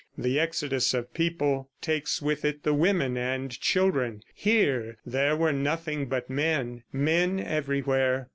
The exodus of people takes with it the women and children. Here there were nothing but men, men everywhere.